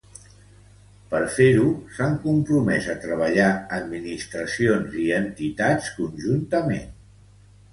Per fer-ho, s’han compromès a treballar administracions i entitats conjuntament.